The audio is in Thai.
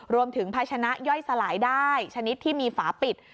ภาชนะย่อยสลายได้ชนิดที่มีฝาปิด